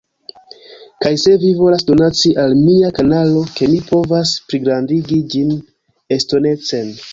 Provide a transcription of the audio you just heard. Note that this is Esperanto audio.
Kaj se vi volas donaci al mia kanalo ke mi povas pligrandigi ĝin estonecen